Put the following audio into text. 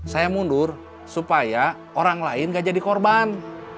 saya mundur supaya orang lain gak jadi korban